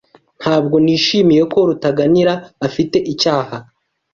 Ntabwo nishimiye ko Rutaganira afite icyaha.